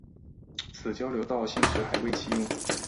此交流道现时还未启用。